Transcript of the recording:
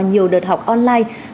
nhiều đợt học online